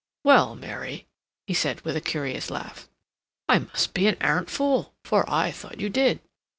"Well, Mary," he said, with a curious laugh, "I must be an arrant fool, for I thought you did."